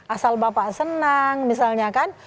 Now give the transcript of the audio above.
asal bapak senang misalnya kan